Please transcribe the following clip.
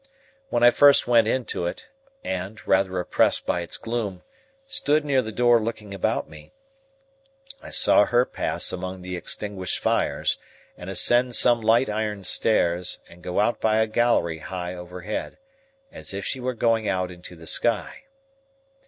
When I first went into it, and, rather oppressed by its gloom, stood near the door looking about me, I saw her pass among the extinguished fires, and ascend some light iron stairs, and go out by a gallery high overhead, as if she were going out into the sky.